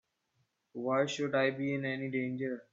Why should I be in any danger?